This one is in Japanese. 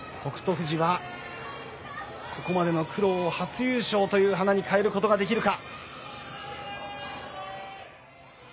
富士はここまでの苦労を初優勝という花にかえることができるか。